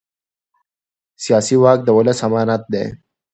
سیاسي واک د ولس امانت دی